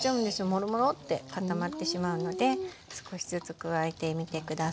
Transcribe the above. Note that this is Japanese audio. モロモロッて固まってしまうので少しずつ加えてみて下さい。